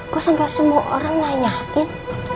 kok sampai semua orang nanyain